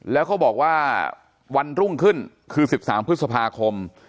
แล้วเขาบอกว่าวันรุ่งขึ้นคือ๑๓พฤษภาคม